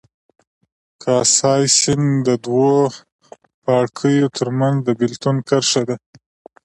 کاسای سیند د دوو پاړکیو ترمنځ د بېلتون کرښه ده.